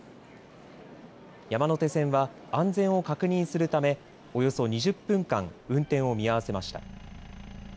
山手線は安全を確認するためおよそ２０分間運転を見合わせました。